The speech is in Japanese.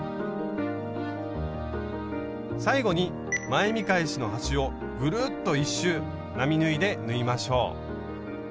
最後に前見返しの端をグルッと１周並縫いで縫いましょう。